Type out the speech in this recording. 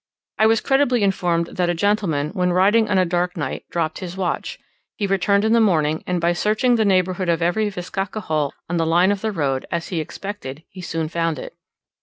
I was credibly informed that a gentleman, when riding on a dark night, dropped his watch; he returned in the morning, and by searching the neighbourhood of every bizcacha hole on the line of road, as he expected, he soon found it.